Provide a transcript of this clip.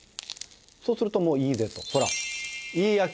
そうするともういいぜとほらいい焼き色！